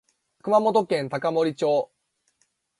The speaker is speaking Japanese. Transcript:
熊本県高森町